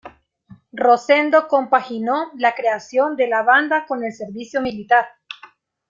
Rosendo compaginó la creación de la banda con el servicio militar.